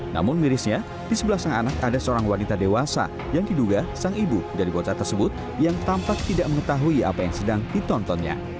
namun mirisnya di sebelah sang anak ada seorang wanita dewasa yang diduga sang ibu dari bocah tersebut yang tampak tidak mengetahui apa yang sedang ditontonnya